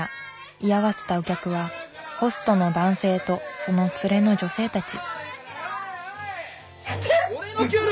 居合わせたお客はホストの男性とその連れの女性たち。